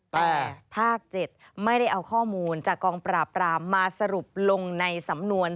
แต่ภาค๗ไม่ได้เอาข้อมูลจากกองปราบรามมาสรุปลงในสำนวน